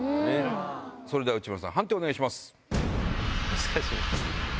それでは内村さん判定をお願いします。